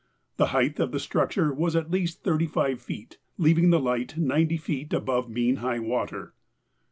The height of the structure was at least 35 feet, leaving the light 90 feet above mean high water.